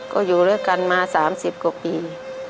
ก็อยู่ด้วยกันมา๓๐กว่าปี